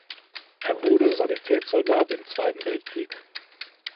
Er wurde Sanitätssoldat im Zweiten Weltkrieg.